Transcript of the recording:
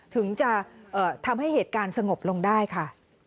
ถึงจะทำให้เหตุการณ์สงบลงได้ค่ะ